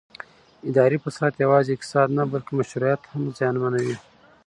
اداري فساد یوازې اقتصاد نه بلکې مشروعیت هم زیانمنوي